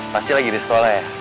pasti lagi di sekolah ya